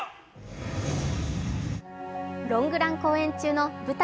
ロングラン公演中の舞台